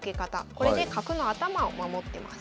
これで角の頭を守ってます。